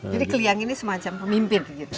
jadi kliang ini semacam pemimpin gitu